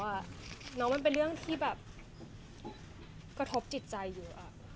แต่ว่ามันเป็นเรื่องที่กระทบจิตใจอยู่